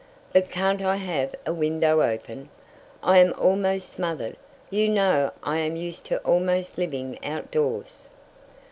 "But can't I have a window open? I am almost smothered. You know I am used to almost living out doors."